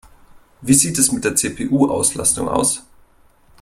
Wie sieht es mit der CPU-Auslastung aus?